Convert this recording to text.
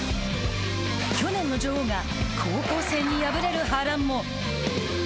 去年の女王が高校生に敗れる波乱も。